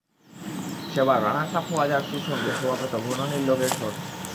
সেবার রানার্সআপ হওয়া জার্সির সঙ্গে শোভা পেত ঘন নীল রঙের শর্টস।